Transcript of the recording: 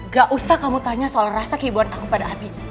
gak usah kamu tanya soal rasa kehibuan aku pada abi